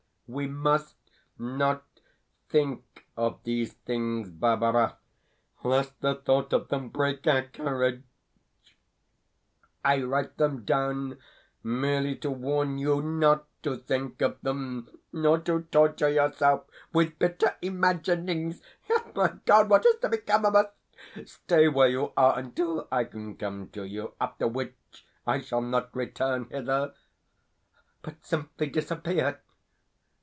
We must not think of these things, Barbara, lest the thought of them break our courage. I write them down merely to warn you NOT to think of them, nor to torture yourself with bitter imaginings. Yet, my God, what is to become of us? Stay where you are until I can come to you; after which I shall not return hither, but simply disappear.